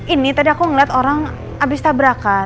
ini tadi aku ngeliat orang abis tabrakan